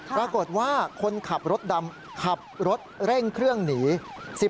ปรากฏว่าคนขับรถดำขับรถเร่งเครื่องหนี